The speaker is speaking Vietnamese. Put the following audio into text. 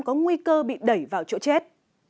có nguy cơ bị đẩy vào chỗ chết